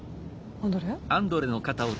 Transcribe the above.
アンドレ。